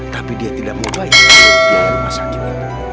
tapi dia tidak mau bayar semua biaya rumah sakit itu